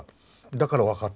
だから分かった。